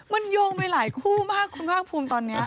มันโยงไปหลายคู่มากคุณภาคภูมิตอนนี้